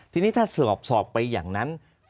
ทีนี้ถ้าสอบไปอย่างนั้น